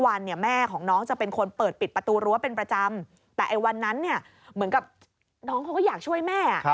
วันเนี่ยแม่ของน้องจะเป็นคนเปิดปิดประตูรั้วเป็นประจำแต่ไอ้วันนั้นเนี่ยเหมือนกับน้องเขาก็อยากช่วยแม่